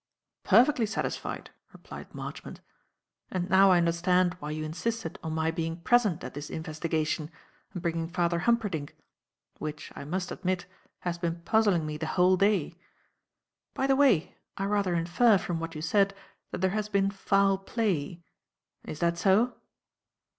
"Perfectly satisfied," replied Marchmont. "And now I understand why you insisted on my being present at this investigation and bringing Father Humperdinck; which, I must admit, has been puzzling me the whole day. By the way, I rather infer, from what you said, that there has been foul play. Is that so?"